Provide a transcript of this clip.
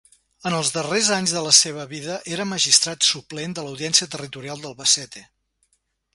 En els darrers anys de la seva vida era magistrat suplent de l'Audiència Territorial d'Albacete.